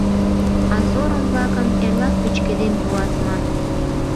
А сорым-влакым эрлак пӱчкеден пуат, ман.